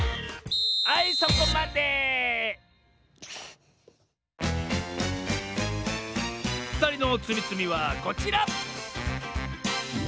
はいそこまでふたりのつみつみはこちら！